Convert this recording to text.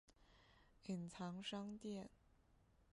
隐藏商店